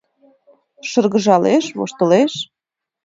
Шыргыжалеш, воштылеш.